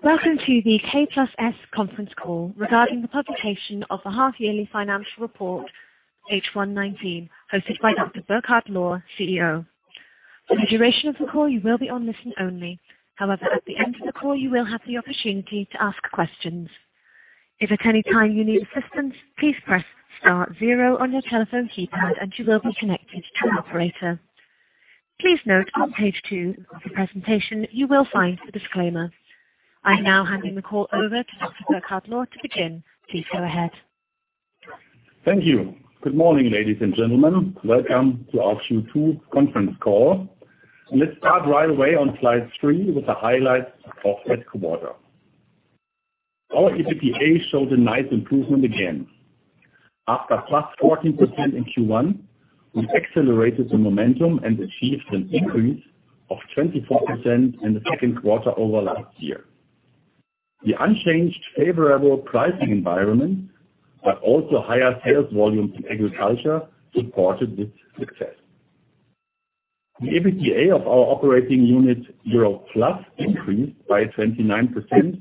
Welcome to the K+S conference call regarding the publication of the half-yearly financial report H1 2019, hosted by Dr. Burkhard Lohr, CEO. For the duration of the call, you will be on listen only. However, at the end of the call, you will have the opportunity to ask questions. If at any time you need assistance, please press star zero on your telephone keypad and you will be connected to an operator. Please note on page two of the presentation you will find the disclaimer. I am now handing the call over to Dr. Burkhard Lohr to begin. Please go ahead. Thank you. Good morning, ladies and gentlemen. Welcome to our Q2 conference call. Let's start right away on slide three with the highlights of the quarter. Our EBITDA showed a nice improvement again. After +14% in Q1, we accelerated the momentum and achieved an increase of 24% in the second quarter over last year. The unchanged favorable pricing environment, but also higher sales volumes in agriculture, supported this success. The EBITDA of our operating unit Europe+ increased by 29%,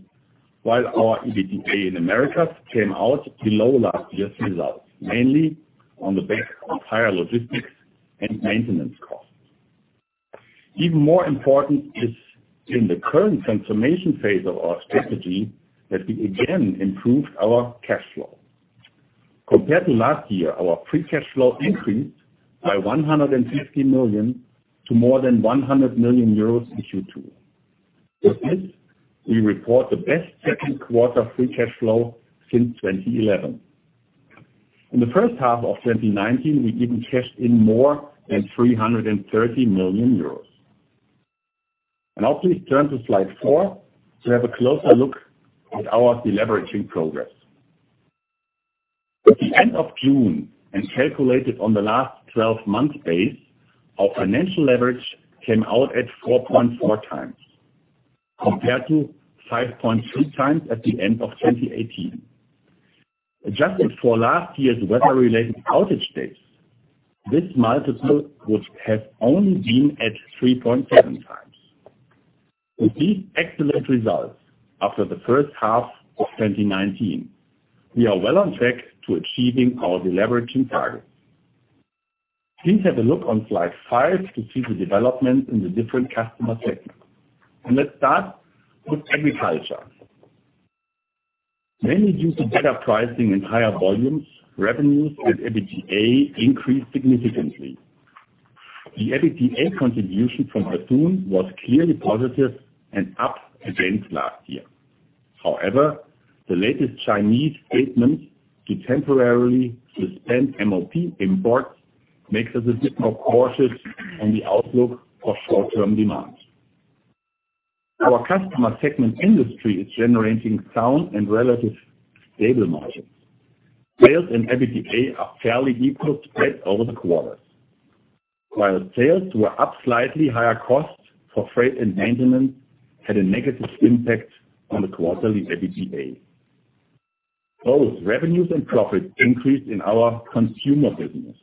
while our EBITDA in Americas came out below last year's results, mainly on the back of higher logistics and maintenance costs. Even more important is in the current transformation phase of our strategy that we again improved our cash flow. Compared to last year, our free cash flow increased by 150 million to more than 100 million euros in Q2. With this, we report the best second quarter free cash flow since 2011. In the first half of 2019, we even cashed in more than 330 million euros. Now please turn to slide four to have a closer look at our deleveraging progress. At the end of June and calculated on the last 12 months base, our financial leverage came out at 4.4 times compared to 5.3 times at the end of 2018. Adjusted for last year's weather-related outage days, this multiple would have only been at 3.7 times. With these excellent results after the first half of 2019, we are well on track to achieving our deleveraging targets. Please have a look on slide five to see the development in the different customer segments. Let's start with agriculture. Mainly due to better pricing and higher volumes, revenues and EBITDA increased significantly. The EBITDA contribution from Bethune was clearly positive and up against last year. The latest Chinese statements to temporarily suspend MOP imports makes us a bit more cautious on the outlook for short-term demands. Our customer segment industry is generating sound and relative stable margins. Sales and EBITDA are fairly equal spread over the quarters. While sales were up slightly, higher costs for freight and maintenance had a negative impact on the quarterly EBITDA. Both revenues and profits increased in our consumer business.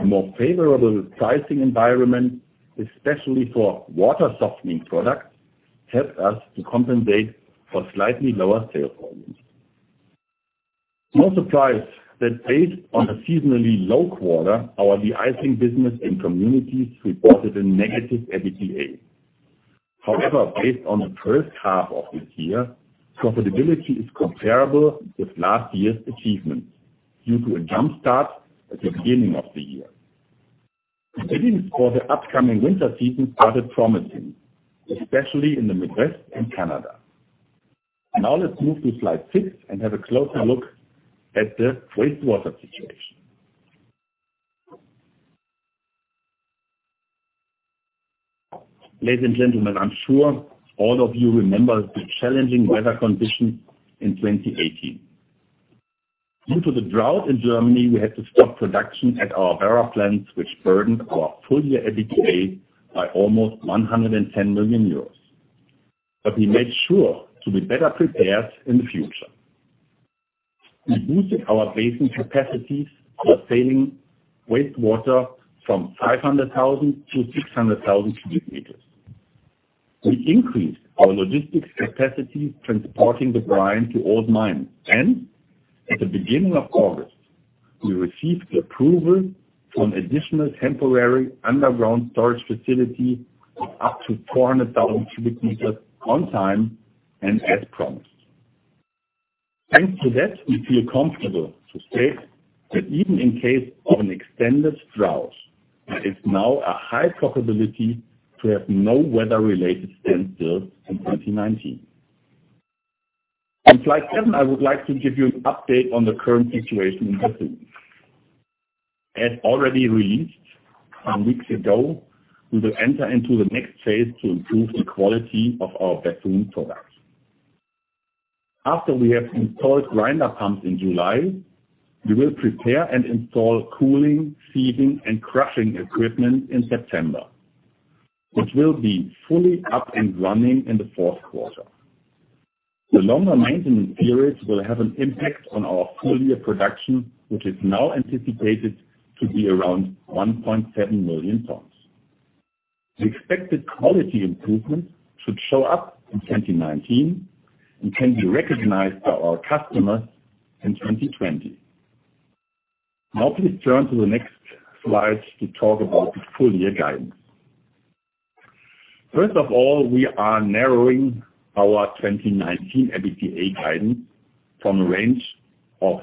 A more favorable pricing environment, especially for water softening products, helped us to compensate for slightly lower sales volumes. No surprise that based on a seasonally low quarter, our deicing business in communities reported a negative EBITDA. Based on the first half of this year, profitability is comparable with last year's achievements due to a jumpstart at the beginning of the year. Orders for the upcoming winter season started promising, especially in the Midwest and Canada. Now let's move to slide six and have a closer look at the wastewater situation. Ladies and gentlemen, I'm sure all of you remember the challenging weather condition in 2018. Due to the drought in Germany, we had to stop production at our Werra plants, which burdened our full year EBITDA by almost 110 million euros. We made sure to be better prepared in the future. We boosted our basin capacities for saving wastewater from 500,000 to 600,000 cubic meters. We increased our logistics capacity transporting the brine to old mines, and at the beginning of August, we received the approval for an additional temporary underground storage facility of up to 400,000 cubic meters on time and as promised. Thanks to that, we feel comfortable to say that even in case of an extended drought, there is now a high probability to have no weather-related standstills in 2019. On slide seven, I would like to give you an update on the current situation in Bethune. As already released some weeks ago, we will enter into the next phase to improve the quality of our Bethune products. After we have installed grinder pumps in July, we will prepare and install cooling, sieving, and crushing equipment in September, which will be fully up and running in the fourth quarter. The longer maintenance periods will have an impact on our full-year production, which is now anticipated to be around 1.7 million tons. The expected quality improvements should show up in 2019 and can be recognized by our customers in 2020. Now please turn to the next slide to talk about the full-year guidance. First of all, we are narrowing our 2019 EBITDA guidance from a range of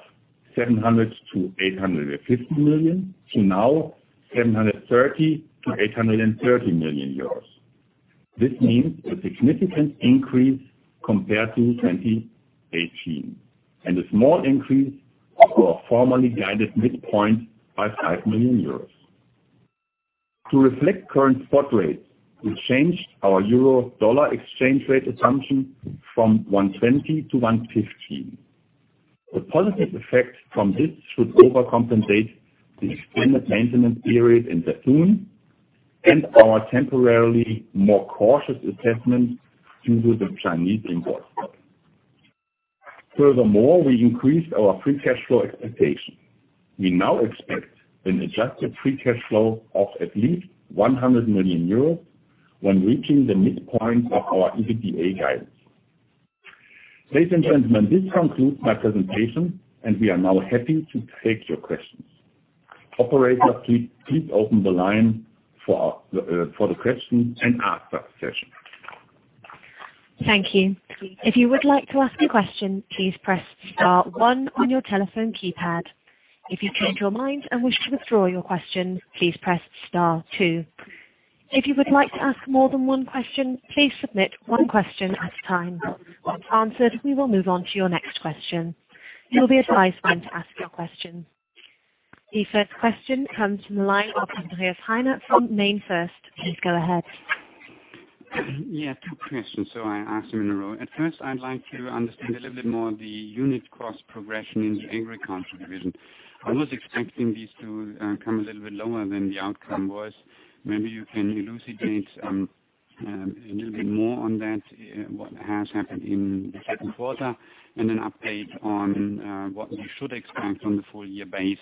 700 million-850 million to now 730 million-830 million euros. This means a significant increase compared to 2018 and a small increase to our formerly guided midpoint by 5 million euros. To reflect current spot rates, we changed our euro-dollar exchange rate assumption from 1.20 to 1.15. The positive effect from this should overcompensate the extended maintenance period in Bethune and our temporarily more cautious assessment due to the Chinese import cut. We increased our free cash flow expectation. We now expect an adjusted free cash flow of at least 100 million euros when reaching the midpoint of our EBITDA guidance. Ladies and gentlemen, this concludes my presentation, and we are now happy to take your questions. Operator, please open the line for the question-and-answer session. Thank you. If you would like to ask a question, please press star one on your telephone keypad. If you change your mind and wish to withdraw your question, please press star two. If you would like to ask more than one question, please submit one question at a time. Once answered, we will move on to your next question. You'll be advised when to ask your question. The first question comes from the line of Andreas Heine from MainFirst. Please go ahead. Two questions, I ask them in a row. At first, I'd like to understand a little bit more the unit cost progression in the Agricultural division. I was expecting these to come a little bit lower than the outcome was. Maybe you can elucidate a little bit more on that, what has happened in the second quarter, and an update on what we should expect on the full-year base.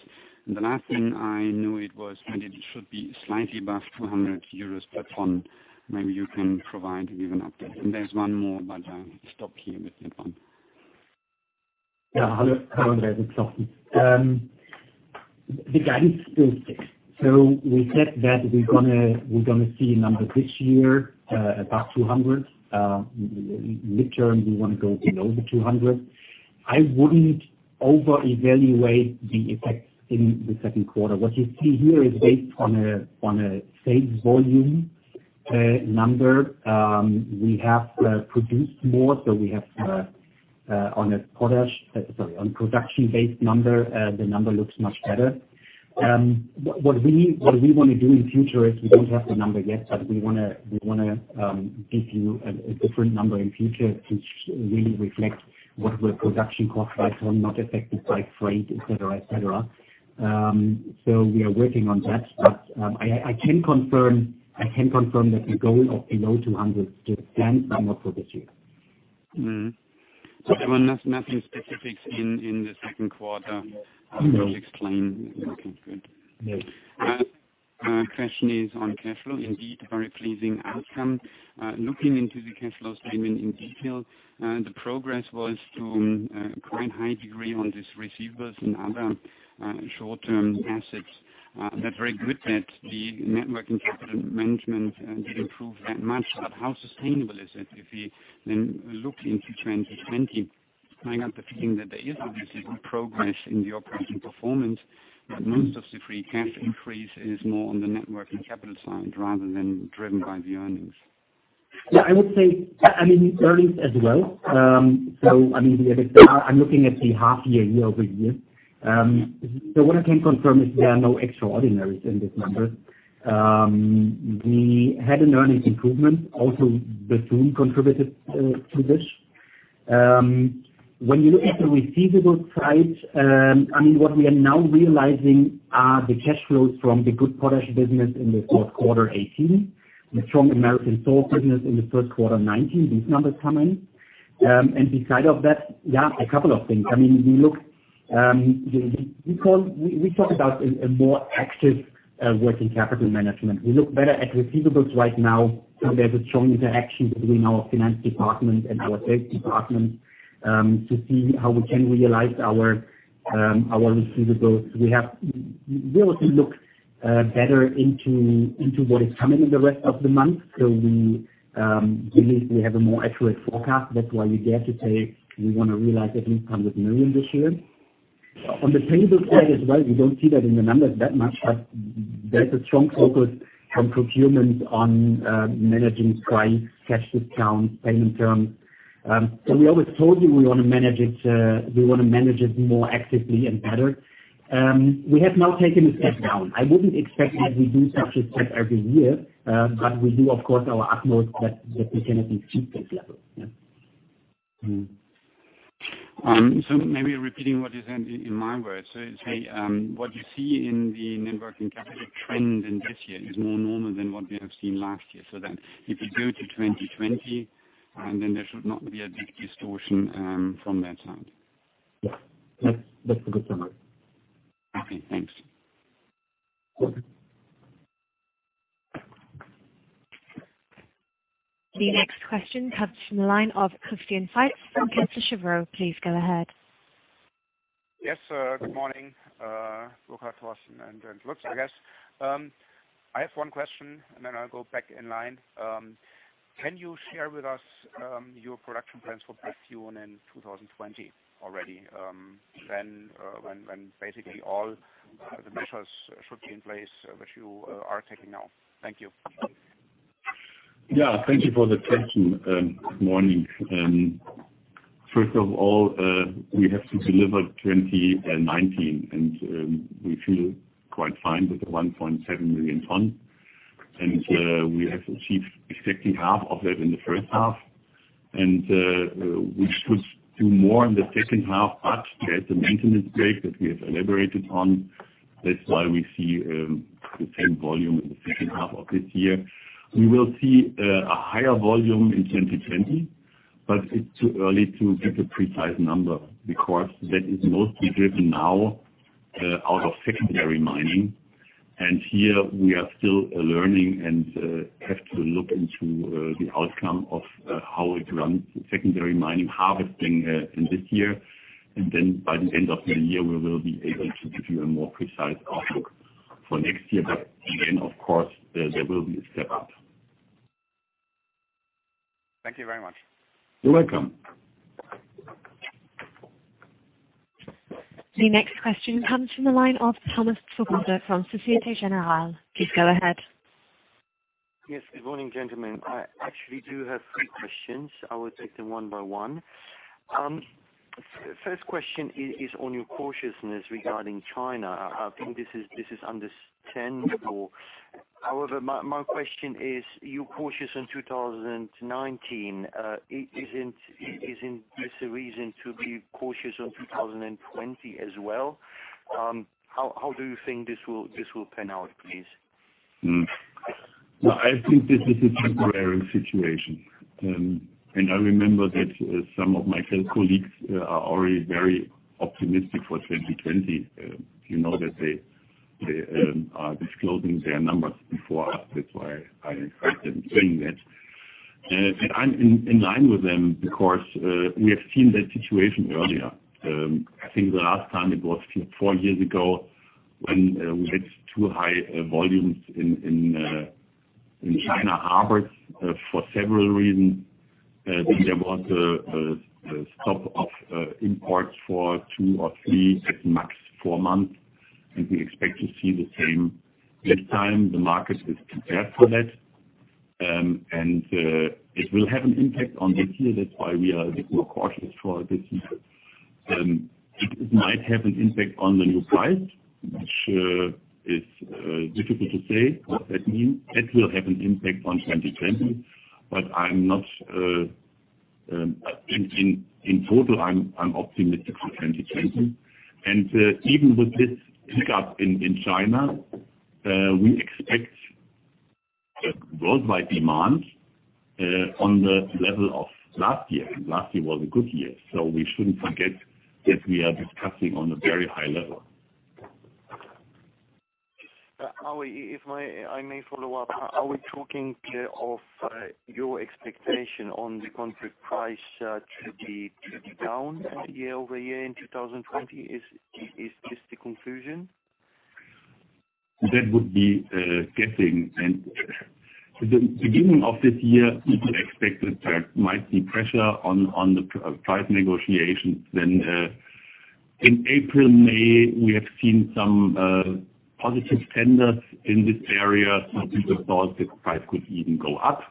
The last thing I knew it was, and it should be slightly above 200 euros per ton. Maybe you can provide and give an update. There's one more, but I'll stop here with that one. Hello, Andreas. Good afternoon. The guidance still sticks. We said that we're going to see a number this year, about 200. Mid-term, we want to go below the 200. I wouldn't over-evaluate the effects in the second quarter. What you see here is based on a sales volume number. We have produced more, we have on a production-based number, the number looks much better. What we want to do in future is we don't have the number yet, we want to give you a different number in future, which really reflects what were production cost like when not affected by freight, et cetera. We are working on that, I can confirm that the goal of below 200 still stands somewhat for this year. There were nothing specifics in the second quarter. No which explain. Okay, good. Yes. My question is on cash flow. Indeed, a very pleasing outcome. Looking into the cash flow statement in detail, the progress was to a quite high degree on these receivables and other short-term assets. They're very good that the working capital management did improve that much. How sustainable is it if we then look into 2020? I got the feeling that there is obviously progress in the operating performance, but most of the free cash increase is more on the working capital side rather than driven by the earnings. Yeah, I would say, earnings as well. I mean, I'm looking at the half year-over-year. What I can confirm is there are no extraordinaries in this number. We had an earnings improvement. Also Bethune contributed to this. When you look at the receivables side, what we are now realizing are the cash flows from the good potash business in the fourth quarter '18, the strong Americas salt business in the first quarter '19, these numbers come in. Beside of that, yeah, a couple of things. We talk about a more active working capital management. We look better at receivables right now. There's a strong interaction between our finance department and our sales department, to see how we can realize our receivables. We also look better into what is coming in the rest of the month. We believe we have a more accurate forecast. That's why we dare to say we want to realize at least 100 million this year. On the payable side as well, we don't see that in the numbers that much, but there's a strong focus from procurement on managing price, cash discounts, payment terms. We always told you we want to manage it more actively and better. We have now taken a step down. I wouldn't expect that we do such a step every year, but we do, of course, our utmost that we can at least keep this level, yeah. Maybe repeating what you said in my words. What you see in the net working capital trends in this year is more normal than what we have seen last year. If you go to 2020, there should not be a big distortion from that side. Yes. That's a good summary. Okay, thanks. Okay. The next question comes from the line of Christian Faitz from Kepler Cheuvreux. Please go ahead. Yes, good morning, Burkhard, Thorsten, and Lutz, I guess. I have one question, and then I'll go back in line. Can you share with us your production plans for potassium in 2020 already? When basically all the measures should be in place, which you are taking now? Thank you. Yeah, thank you for the question. Good morning. First of all, we have to deliver 2019, and we feel quite fine with the 1.7 million tons. we have achieved exactly half of that in the first half, and we should do more in the second half, but there's a maintenance break that we have elaborated on. That's why we see the same volume in the second half of this year. We will see a higher volume in 2020, but it's too early to give a precise number because that is mostly driven now out of secondary mining. here we are still learning and have to look into the outcome of how it runs, secondary mining, harvesting in this year. then by the end of the year, we will be able to give you a more precise outlook for next year. again, of course, there will be a step-up. Thank you very much. You're welcome. The next question comes from the line of Thomas Swoboda from Societe Generale. Please go ahead. Yes, good morning, gentlemen. I actually do have three questions. I will take them one by one. First question is on your cautiousness regarding China. I think this is understandable. However, my question is, you're cautious in 2019. Isn't this a reason to be cautious on 2020 as well? How do you think this will pan out, please? I think this is a temporary situation. I remember that some of my colleagues are already very optimistic for 2020. You know that they are disclosing their numbers before us. That's why I expect them saying that. I'm in line with them because we have seen that situation earlier. I think the last time it was four years ago when we had too high volumes in China harbors for several reasons. There was a stop of imports for two or three, at max four months, and we expect to see the same this time. The market is prepared for that. It will have an impact on this year. That's why we are a bit more cautious for this year. It might have an impact on the new price, which is difficult to say what that means. That will have an impact on 2020. In total, I'm optimistic for 2020. Even with this pick-up in China, we expect worldwide demand on the level of last year, and last year was a good year. We shouldn't forget that we are discussing on a very high level. If I may follow up, are we talking of your expectation on the contract price to be down year-over-year in 2020? Is this the conclusion? That would be guessing. The beginning of this year, we expected there might be pressure on the price negotiations then. In April, May, we have seen some positive tenders in this area, so people thought the price could even go up.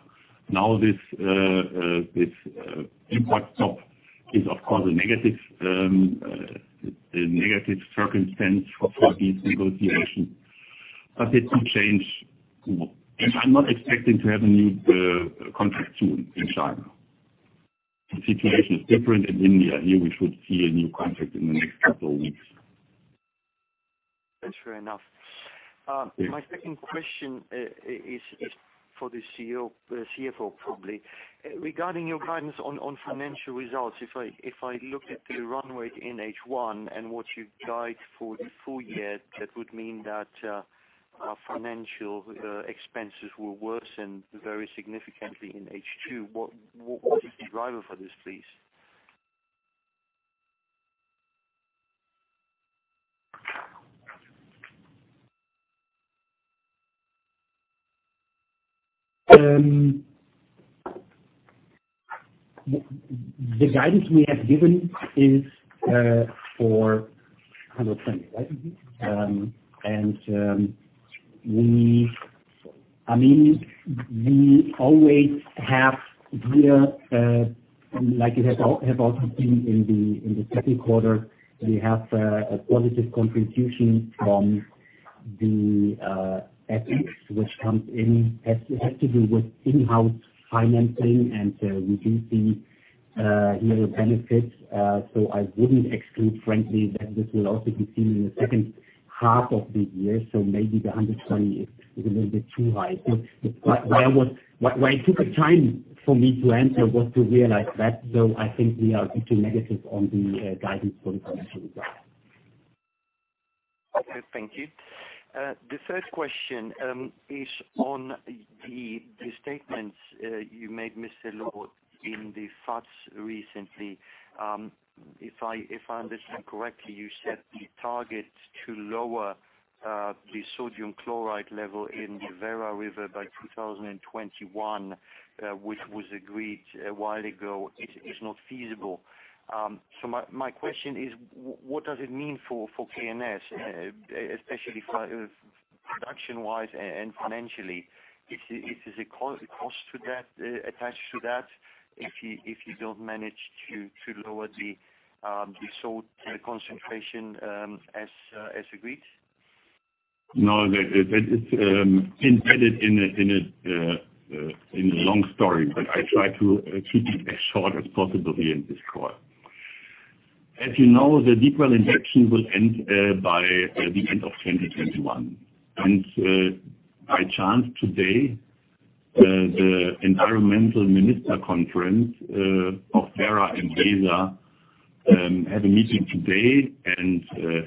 Now this import stop is, of course, a negative circumstance for these negotiations. It can change. I'm not expecting to have a new contract soon in China. The situation is different in India. Here we should see a new contract in the next couple of weeks. That's fair enough. Yes. My second question is for the CFO, probably. Regarding your guidance on financial results, if I looked at the runway in H1 and what you guide for the full year, that would mean that our financial expenses will worsen very significantly in H2. What is the driver for this, please? The guidance we have given is for 120, right? We always have here, like it has also been in the second quarter, we have a positive contribution from The ethics which comes in has to do with in-house financing and reducing level benefits. I wouldn't exclude frankly, that this will also be seen in the second half of the year, so maybe the 120 is a little bit too high. Why it took a time for me to answer was to realize that, though I think we are being too negative on the guidance for the financial year. Okay, thank you. The third question is on the statements you made, Mr. Lohr, in the facts recently. If I understand correctly, you set the target to lower the sodium chloride level in the Werra River by 2021, which was agreed a while ago, it is not feasible. My question is, what does it mean for K+S, especially production-wise and financially? Is there a cost attached to that if you don't manage to lower the salt concentration as agreed? No, that is embedded in a long story, but I try to keep it as short as possible here in this call. As you know, the deep-well injection will end by the end of 2021. By chance today, the environmental minister conference of Werra and Weser have a meeting today,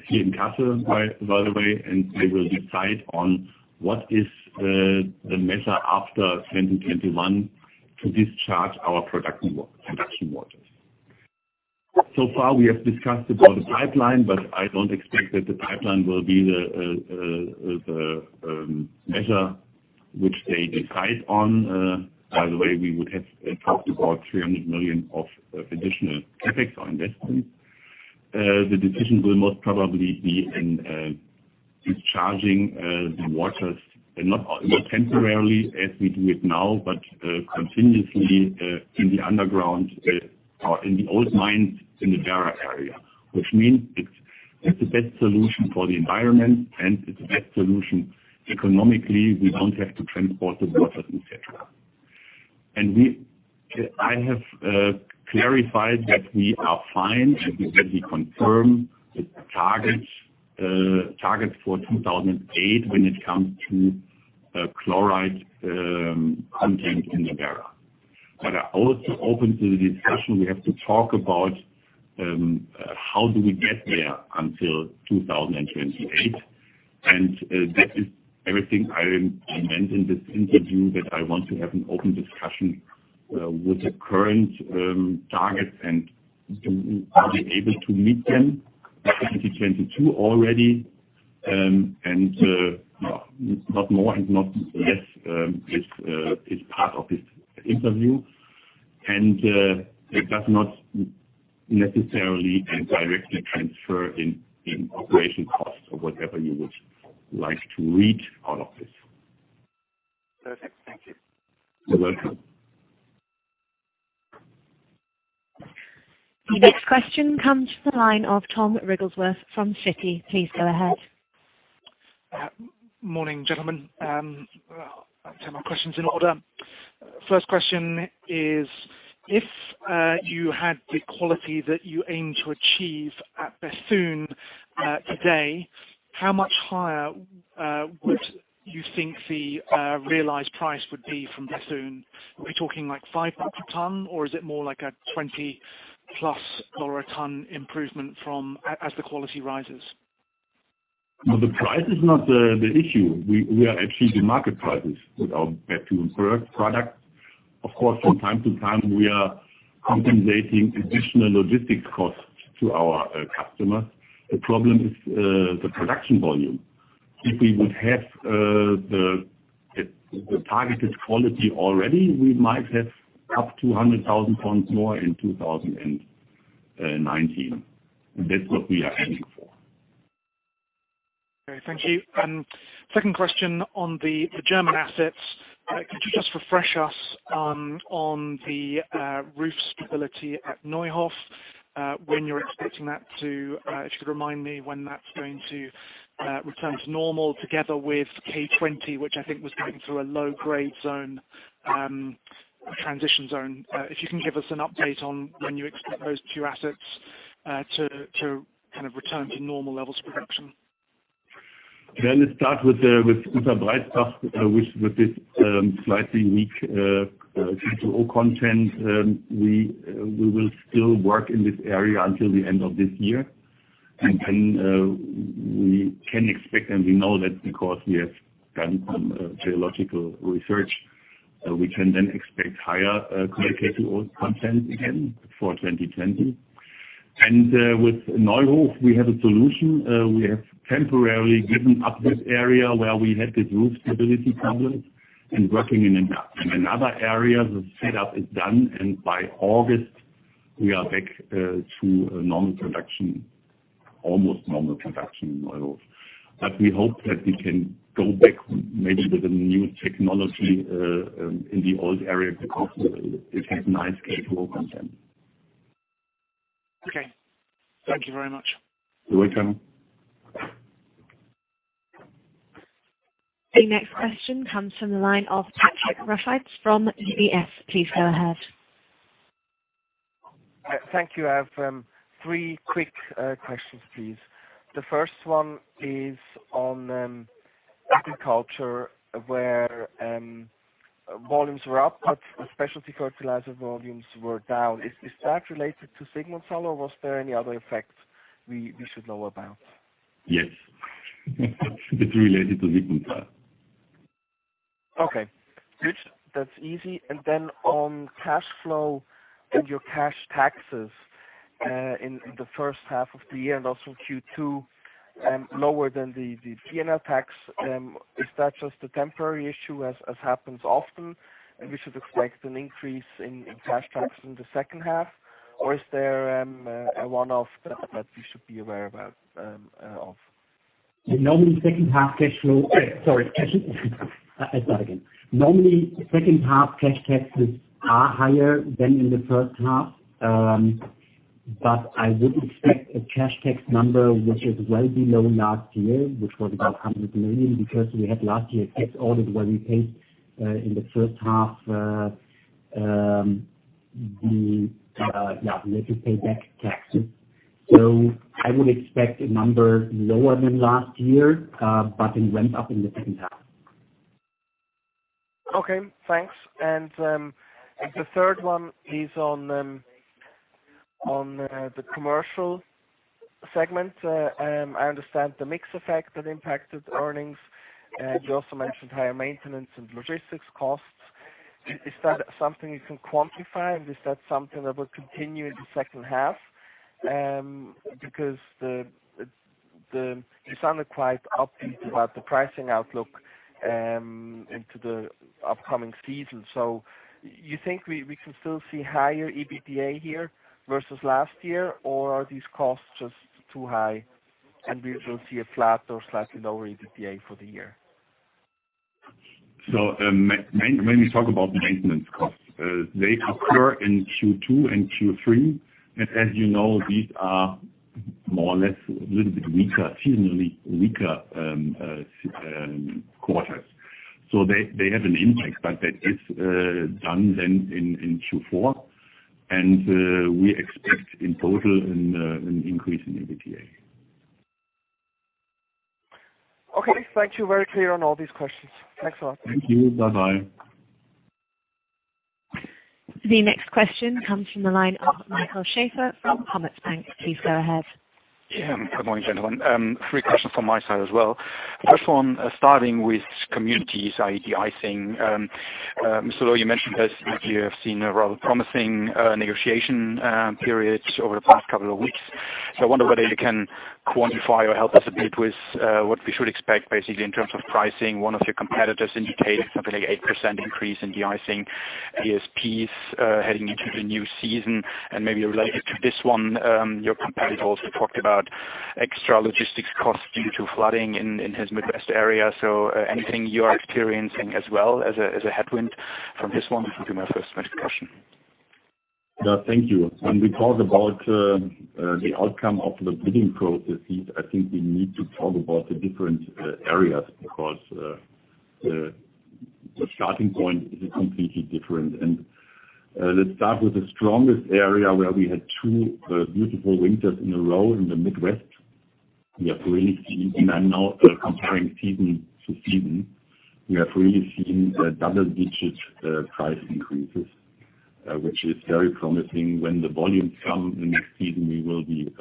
here in Kassel, by the way, and they will decide on what is the measure after 2021 to discharge our production waters. Far, we have discussed about the pipeline, but I don't expect that the pipeline will be the measure which they decide on. By the way, we would have talked about 300 million of additional CapEx on this point. The decision will most probably be in discharging the waters, not temporarily as we do it now, but continuously in the underground or in the old mines in the Werra area. Which means it's the best solution for the environment and it's the best solution economically. We don't have to transport the water, et cetera. I have clarified that we are fine, and that we confirm the targets for 2008 when it comes to chloride content in the Werra. Also open to the discussion we have to talk about how do we get there until 2028. That is everything I meant in this interview, that I want to have an open discussion with the current targets and to be able to meet them by 2022 already. Not more and not less is part of this interview. It does not necessarily and directly transfer in operation costs or whatever you would like to read out of this. Perfect. Thank you. You're welcome. The next question comes to the line of Tom Wrigglesworth from Citi. Please go ahead. Morning, gentlemen. I'll take my questions in order. First question is, if you had the quality that you aim to achieve at Bethune today, how much higher would you think the realized price would be from Bethune? Are we talking like five bucks a ton or is it more like a 20-plus dollar a ton improvement as the quality rises? No, the price is not the issue. We are achieving market prices with our Bethune product. Of course, from time to time, we are compensating additional logistics costs to our customers. The problem is the production volume. If we would have the targeted quality already, we might have up to 100,000 tons more in 2019. That's what we are aiming for. Okay, thank you. Second question on the German assets. Could you just refresh us on the roof stability at Neuhof, if you could remind me when that's going to return to normal together with K2O, which I think was going through a low-grade zone, transition zone. If you can give us an update on when you expect those two assets to return to normal levels of production. Let's start with Unterbreizbach, which with this slightly weak K2O content, we will still work in this area until the end of this year. We can expect, and we know that because we have done some geological research, we can then expect higher quality K2O content again for 2020. With Neuhof, we have a solution. We have temporarily given up this area where we had this roof stability problem and working in another area. The setup is done, and by August we are back to a normal production, almost normal production in Neuhof. We hope that we can go back maybe with a new technology in the old area because it has nice K2O content. Okay. Thank you very much. You're welcome. The next question comes from the line of Patrick Rafaisz from UBS. Please go ahead. Thank you. I have three quick questions, please. The first one is on agriculture, where volumes were up, but the specialty fertilizer volumes were down. Is that related to Sigmundshall, or was there any other effect we should know about? Yes. It's related to Sigmundshall. Okay, good. That's easy. On cash flow and your cash taxes in the first half of the year and also Q2, lower than the P&L tax, is that just a temporary issue as happens often, and we should expect an increase in cash taxes in the second half? Is there a one-off that we should be aware about of? Normally, second-half cash taxes are higher than in the first half. I would expect a cash tax number which is well below last year, which was about 100 million, because we had last year's tax audit where we paid in the first half, we had to pay back taxes. I would expect a number lower than last year, but it went up in the second half. Okay, thanks. The third one is on the commercial segment. I understand the mix effect that impacted earnings. You also mentioned higher maintenance and logistics costs. Is that something you can quantify, and is that something that will continue in the second half? Because you sounded quite upbeat about the pricing outlook into the upcoming season. You think we can still see higher EBITDA here versus last year, or are these costs just too high, and we will see a flat or slightly lower EBITDA for the year? Let me talk about maintenance costs. They occur in Q2 and Q3, and as you know, these are more or less a little bit weaker, seasonally weaker quarters. They have an impact, but that is done then in Q4, and we expect in total an increase in EBITDA. Okay, thank you. Very clear on all these questions. Thanks a lot. Thank you. Bye-bye. The next question comes from the line of Michael Schäfer from Commerzbank. Please go ahead. Yeah. Good morning, gentlemen. Three questions from my side as well. First one, starting with communities, i.e., de-icing. Mr. Lohr, you mentioned that you have seen a rather promising negotiation period over the past couple of weeks. I wonder whether you can quantify or help us a bit with what we should expect basically in terms of pricing. One of your competitors indicated something like 8% increase in de-icing ASPs heading into the new season. Maybe related to this one, your competitor also talked about extra logistics costs due to flooding in his Midwest area. Anything you are experiencing as well as a headwind from this one would be my first question. Thank you. When we talk about the outcome of the bidding processes, I think we need to talk about the different areas because the starting point is completely different. Let's start with the strongest area where we had two beautiful winters in a row in the Midwest. We have really seen, and I'm now comparing season to season, we have really seen double-digit price increases, which is very promising. When the volumes come in next season, we will be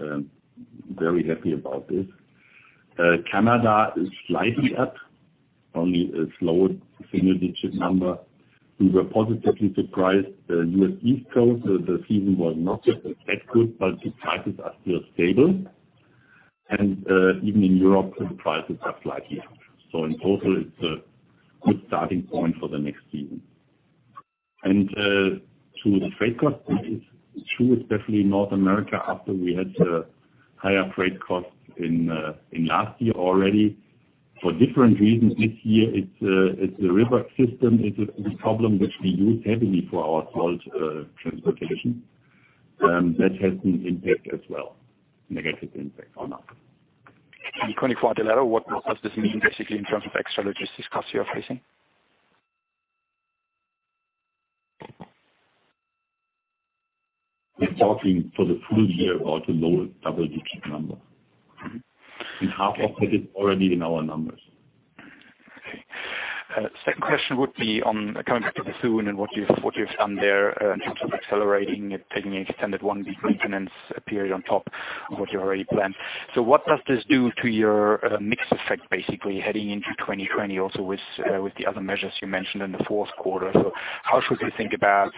very happy about this. Canada is slightly up, only a slow single-digit number. We were positively surprised. The U.S. East Coast, the season was not that good, but the prices are still stable. Even in Europe, the prices are slightly up. In total, it's a good starting point for the next season. To the freight cost, it is true, especially in North America, after we had higher freight costs in last year already. For different reasons this year, it's the river system, it's a problem which we use heavily for our salt transportation. That has an impact as well, negative impact on us. Can you quantify that at all? What does this mean basically in terms of extra logistics costs you are facing? We're talking for the full year about a low double-digit number. Half of that is already in our numbers. Okay. Second question would be on, coming back to the Bethune and what you've done there in terms of accelerating it, taking an extended one big maintenance period on top of what you already planned. What does this do to your mix effect, basically, heading into 2020 also with the other measures you mentioned in the fourth quarter? How should we think about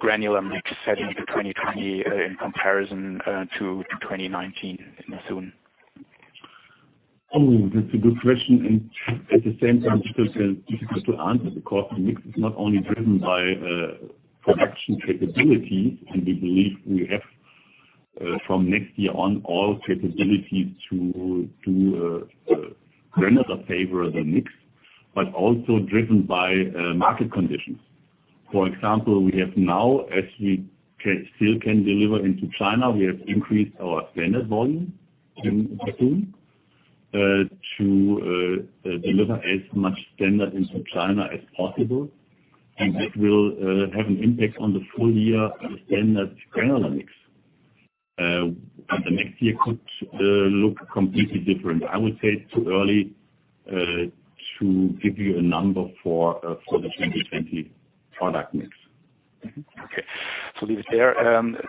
granular mix heading into 2020 in comparison to 2019 in Bethune? Oh, that's a good question, and at the same time, difficult to answer because the mix is not only driven by production capability, and we believe we have, from next year on, all capabilities to render the favor of the mix, but also driven by market conditions. For example, we have now, as we still can deliver into China, we have increased our standard volume in the second quarter to deliver as much standard into China as possible. That will have an impact on the full year standard granular mix. The next year could look completely different. I would say it's too early to give you a number for the 2020 product mix. Okay. Leave it there.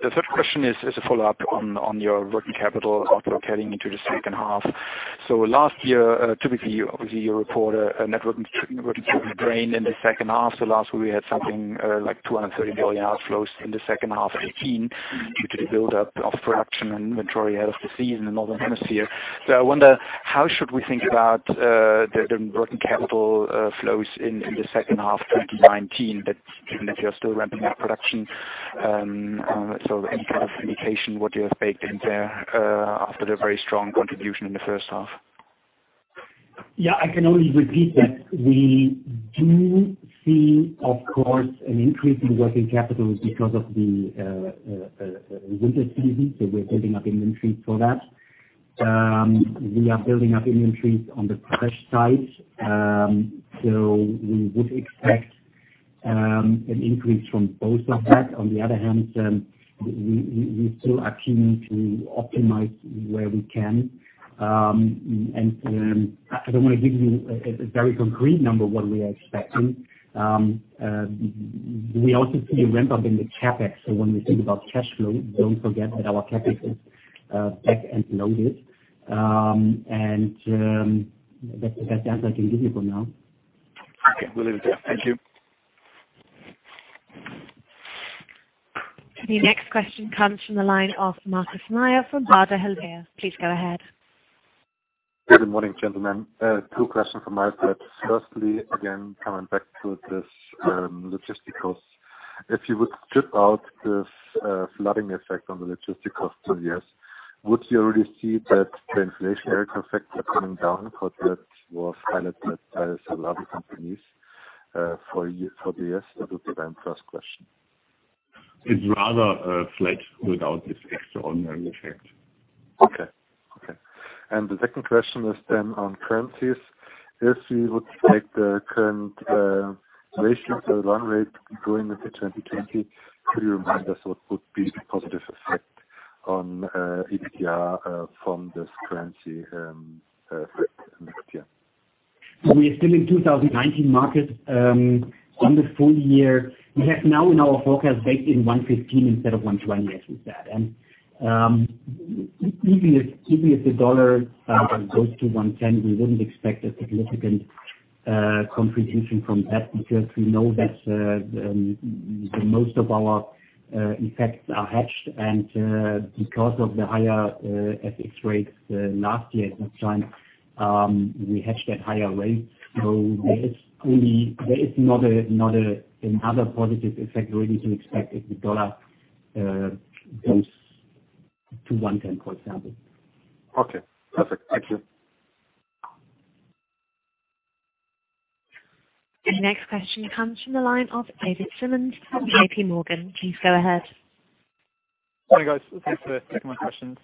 The third question is a follow-up on your working capital outlook heading into the second half. Last year, typically, obviously, you report a net working capital drain in the second half. Last year we had something like 230 billion outflows in the second half 2018, due to the buildup of production and inventory ahead of the season in the northern hemisphere. I wonder, how should we think about the working capital flows in the second half 2019, even if you are still ramping up production? Any kind of indication what you have baked in there after the very strong contribution in the first half? Yeah, I can only repeat that we do see, of course, an increase in working capital because of the winter season, so we're building up inventories for that. We are building up inventories on the fresh side. We would expect an increase from both of that. On the other hand, we still are keen to optimize where we can. I don't want to give you a very concrete number what we are expecting. We also see a ramp-up in the CapEx. When we think about cash flow, don't forget that our CapEx is back end loaded. That's the best answer I can give you for now. Okay. Will leave it there. Thank you. The next question comes from the line of Markus Mayer from Baader Helvea. Please go ahead. Good morning, gentlemen. Two questions from my side. Firstly, again, coming back to this logistic cost. If you would strip out this flooding effect on the logistic cost on years, would you already see that the inflationary effect are coming down, how that was highlighted by some other companies for the year? That would be my first question. It's rather flat without this extraordinary effect. Okay. The second question is then on currencies. If we would take the current ratio, the run rate going into 2020, could you remind us what would be the positive effect on EBITDA from this currency effect next year? We are still in 2019 markets. On the full year, we have now in our forecast baked in 115 instead of 120 as we said. Even if the dollar goes to 110, we wouldn't expect a significant contribution from that because we know that most of our effects are hedged, and because of the higher FX rates last year at that time, we hedged at higher rates. There is not another positive effect we need to expect if the dollar goes to 110, for example. Okay, perfect. Thank you. The next question comes from the line of David Simmons from JP Morgan. Please go ahead. Hi, guys. Thanks for taking my questions.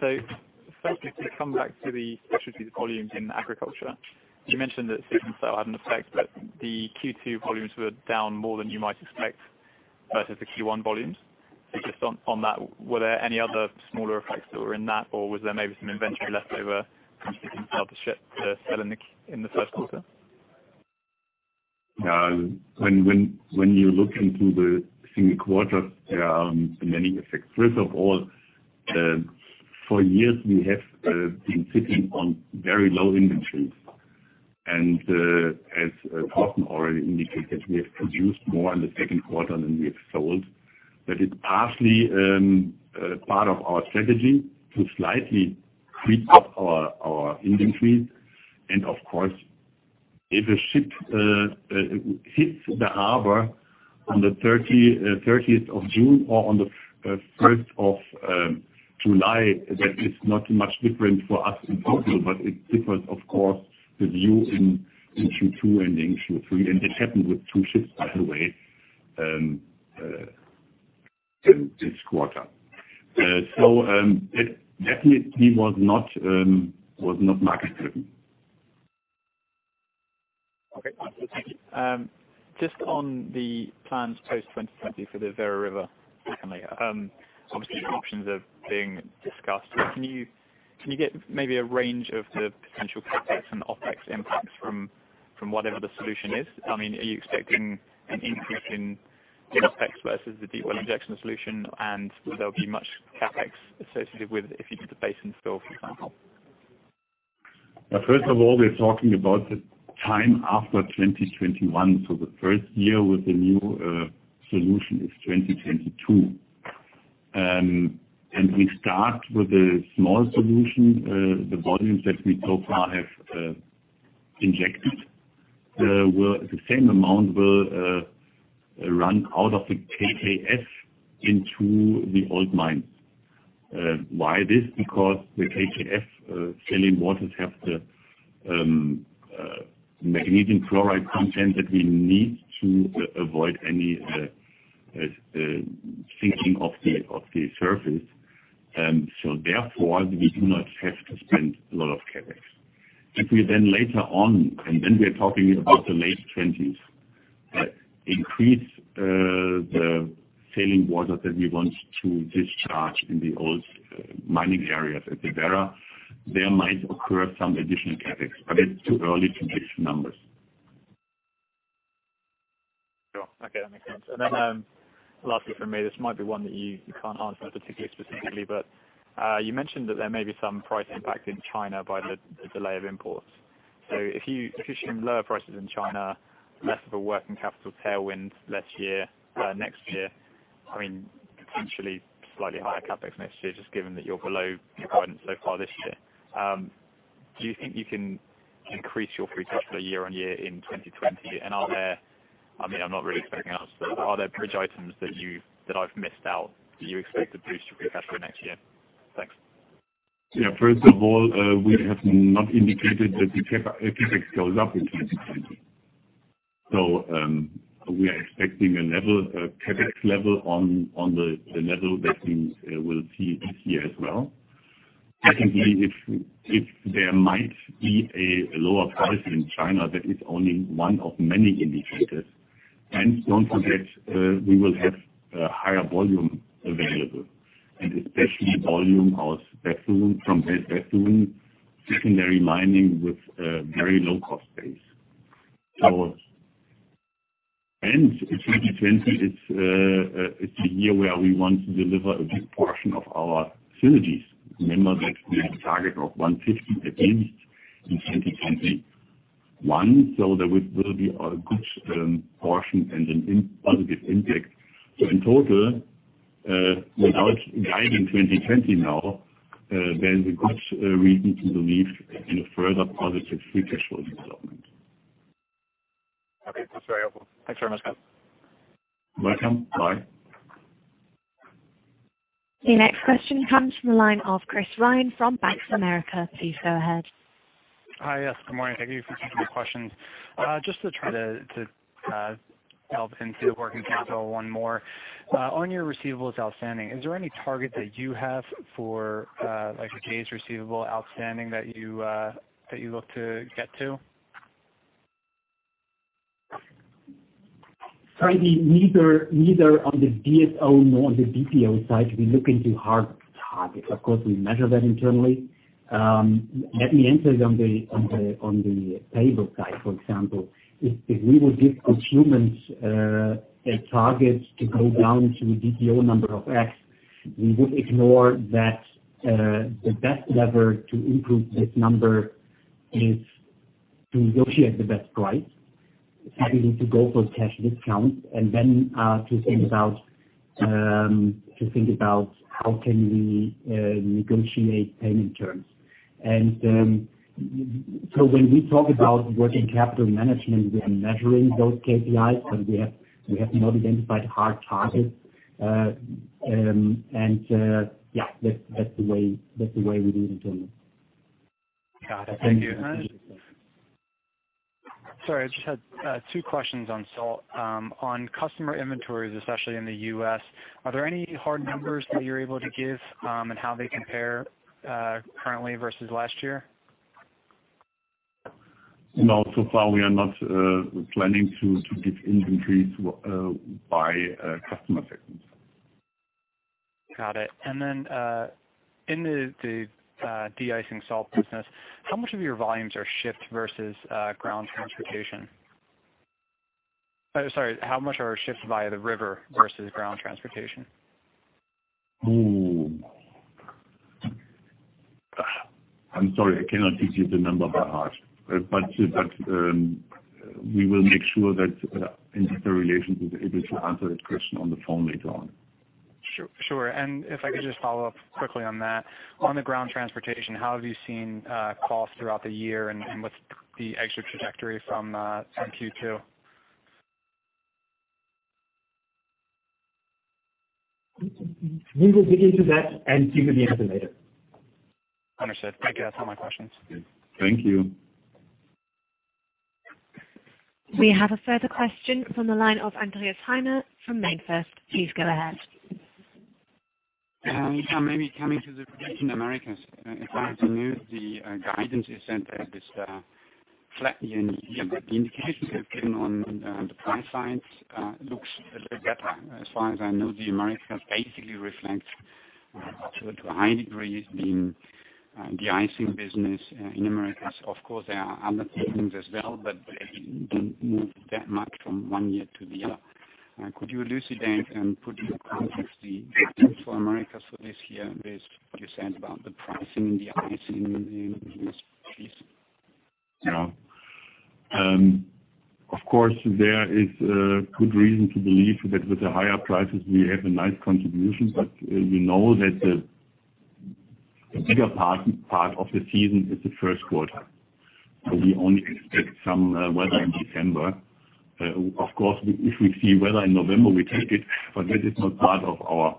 Firstly, to come back to the specialty volumes in agriculture, you mentioned that season still had an effect, but the Q2 volumes were down more than you might expect versus the Q1 volumes. Just on that, were there any other smaller effects that were in that, or was there maybe some inventory left over from shipping other ships to sell in the first quarter? When you look into the single quarters, there are many effects. First of all, for years we have been sitting on very low inventories. As Thorsten already indicated, we have produced more in the second quarter than we have sold. It's partially part of our strategy to slightly creep up our inventories. Of course, if a ship hits the harbor on the 30th of June or on the 1st of July, that is not much different for us in total, but it differs, of course, the view in Q2 and in Q3. It happened with two ships, by the way, in this quarter. It definitely was not market-driven. Okay. Wonderful. Thank you. Just on the plans post-2020 for the Werra River secondly. Obviously, options are being discussed. Can you get maybe a range of the potential CapEx and OpEx impacts from whatever the solution is? Are you expecting an increase in OpEx versus the deep well injection solution, and will there be much CapEx associated with if you did the basin store, for example? First of all, we are talking about the time after 2021. The first year with the new solution is 2022. We start with a small solution. The volumes that we so far have injected, the same amount will run out of the K+S into the old mine. Why this? Because the K+S saline waters have the magnesium chloride content that we need to avoid any sinking of the surface. Therefore, we do not have to spend a lot of CapEx. If we then later on, and then we are talking about the late '20s, increase the saline water that we want to discharge in the old mining areas at Werra, there might occur some additional CapEx, but it's too early to fix numbers. Sure. Okay. That makes sense. then lastly from me, this might be one that you can't answer particularly specifically, but you mentioned that there may be some price impact in China by the delay of imports. if you assume lower prices in China, less of a working capital tailwind next year, potentially slightly higher CapEx next year, just given that you're below your guidance so far this year, do you think you can increase your free cash flow year-over-year in 2020? are there. I'm not really expecting an answer, but are there bridge items that I've missed out that you expect to boost your free cash flow next year? Thanks. Yeah. First of all, we have not indicated that the CapEx goes up in 2020. We are expecting a CapEx level on the level that we will see this year as well. Secondly, if there might be a lower price in China, that is only one of many indicators, and don't forget, we will have a higher volume available, and especially volume from West Bethune, secondary mining with a very low-cost base. 2020, it's a year where we want to deliver a big portion of our synergies. Remember that we have a target of 150 at least in 2021, so there will be a good portion and a positive impact. In total, without guiding 2020 now, there's a good reason to believe in a further positive free cash flow development. Okay. That's very helpful. Thanks very much, guys. Welcome. Bye. The next question comes from the line of Chris Ryan from Bank of America. Please go ahead. Hi. Yes, good morning. Thank you for taking my questions. Just to try to delve into working capital one more. On your receivables outstanding, is there any target that you have for days receivable outstanding that you look to get to? Frankly, neither on the DSO nor on the DPO side should we look into hard targets. Of course, we measure that internally. Let me answer it on the payable side, for example. If we would give consumers a target to go down to a DPO number of X, we would ignore that the best lever to improve this number is to negotiate the best price. We need to go for cash discount and then to think about how can we negotiate payment terms. When we talk about working capital management, we are measuring those KPIs, but we have not identified hard targets. Yeah, that's the way we do it internally. Got it. Thank you. Thank you. Sorry, I just had two questions on salt. On customer inventories, especially in the U.S., are there any hard numbers that you're able to give on how they compare currently versus last year? No. So far, we are not planning to give inventories by customer segments. Got it. In the de-icing salt business, how much of your volumes are shipped versus ground transportation? Sorry, how much are shipped via the river versus ground transportation? I'm sorry, I cannot give you the number by heart. We will make sure that Investor Relations is able to answer that question on the phone later on. Sure. If I could just follow up quickly on that. On the ground transportation, how have you seen costs throughout the year, and what's the exit trajectory from Q2? We will dig into that and give you the answer later. Understood. Thank you. That's all my questions. Thank you. We have a further question from the line of Andreas Hienert from MainFirst. Please go ahead. Yeah. Maybe coming to the region Americas. As far as I know, the guidance is set at this flat year. The indications you have given on the price side looks a little better. As far as I know, the Americas basically reflects to a high degree the de-icing business in the Americas. Of course, there are other things as well, but they don't move that much from one year to the other. Could you elucidate and put into context the guide for Americas for this year with what you said about the pricing in de-icing in this piece? Yeah. Of course, there is a good reason to believe that with the higher prices, we have a nice contribution, but we know that the bigger part of the season is the first quarter. We only expect some weather in December. Of course, if we see weather in November, we take it, but that is not part of our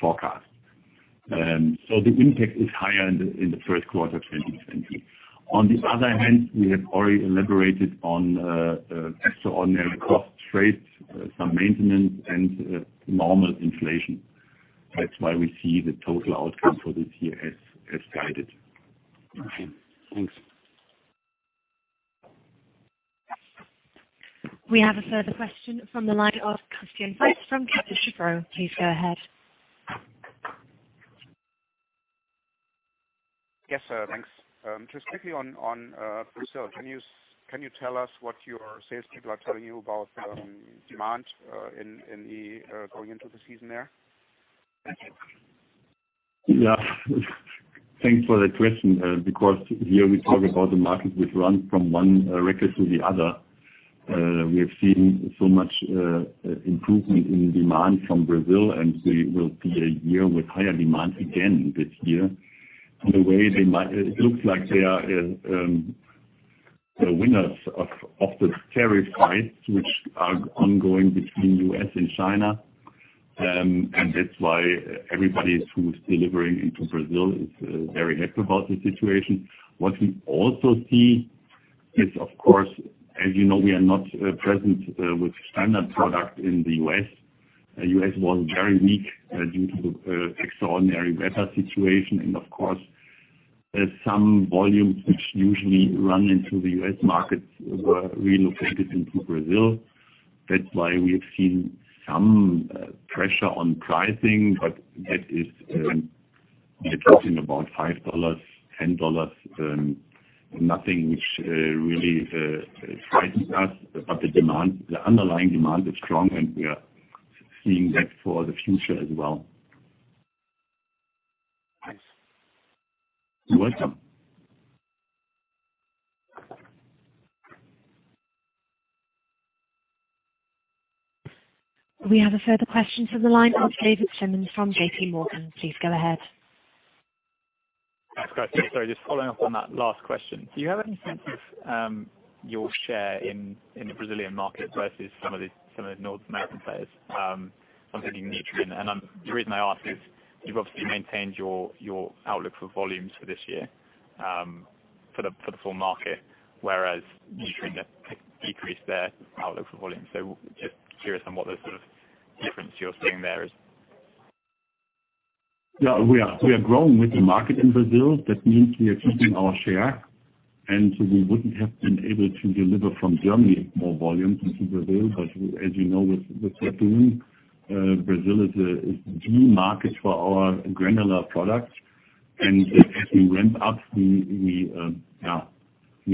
forecast. The impact is higher in the first quarter of 2020. On the other hand, we have already elaborated on extraordinary cost trends, some maintenance, and normal inflation. That's why we see the total outcome for this year as guided. Okay, thanks. We have a further question from the line of Christian Faitz from Kepler Cheuvreux. Please go ahead. Yes, thanks. Just quickly on Brazil, can you tell us what your sales people are telling you about demand going into the season there? Yeah. Thanks for that question. Because here we talk about the market which runs from one record to the other. We have seen so much improvement in demand from Brazil, and it will be a year with higher demand again this year. It looks like they are the winners of the tariff fights which are ongoing between U.S. and China. That's why everybody who's delivering into Brazil is very happy about the situation. What we also see is, of course, as you know, we are not present with standard product in the U.S. U.S. was very weak due to the extraordinary weather situation. Of course, some volumes which usually run into the U.S. market were relocated into Brazil. That's why we have seen some pressure on pricing, but that is talking about EUR 5, EUR 10, nothing which really frightens us. the underlying demand is strong, and we are seeing that for the future as well. Thanks. You're welcome. We have a further question from the line of David Simmons from JP Morgan. Please go ahead. Thanks, guys. Sorry, just following up on that last question. Do you have any sense of your share in the Brazilian market versus some of the North American players? I'm thinking Nutrien. The reason I ask is, you've obviously maintained your outlook for volumes for this year, for the full market, whereas Nutrien have decreased their outlook for volume. Just curious on what the sort of difference you're seeing there is. Yeah. We are growing with the market in Brazil. That means we are keeping our share, and we wouldn't have been able to deliver from Germany more volumes into Brazil. Because as you know, with potassium, Brazil is the key market for our granular products. As we ramp up, we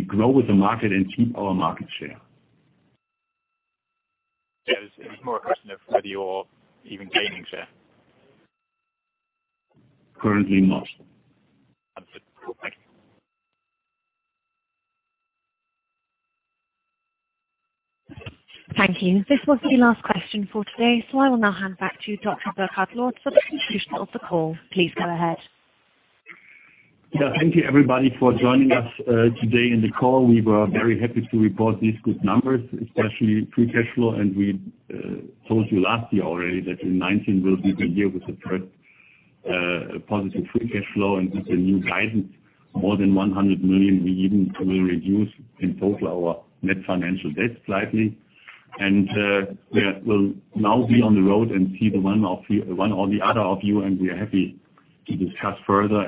grow with the market and keep our market share. Yeah. It was more a question of whether you're even gaining share. Currently not. Understood. Cool. Thank you. Thank you. This was the last question for today. I will now hand back to Dr. Burkhard Lohr for the conclusion of the call. Please go ahead. Yeah. Thank you, everybody, for joining us today in the call. We were very happy to report these good numbers, especially free cash flow. We told you last year already that 2019 will be the year with the first positive free cash flow. With the new guidance, more than 100 million, we even will reduce, in total, our net financial debt slightly. We will now be on the road and see one or the other of you, and we are happy to discuss further.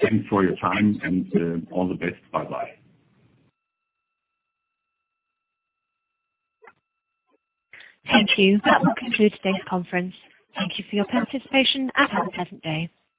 Thanks for your time, and all the best. Bye-bye. Thank you. That will conclude today's conference. Thank you for your participation, and have a pleasant day.